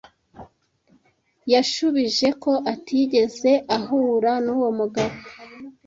Yashubije ko atigeze ahura nuwo mugabo.